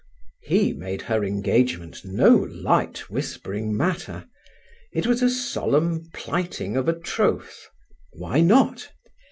He made her engagement no light whispering matter. It was a solemn plighting of a troth. Why not?